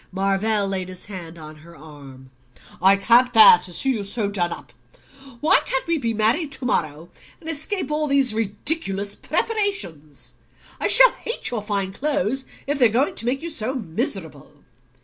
Marvell laid his hand on her arm, "I can't bear to see you so done up. Why can't we be married to morrow, and escape all these ridiculous preparations? I shall hate your fine clothes if they're going to make you so miserable."